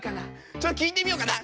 ちょっと聞いてみようかな。